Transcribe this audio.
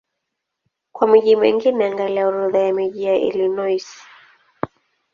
Kwa miji mingine angalia Orodha ya miji ya Illinois.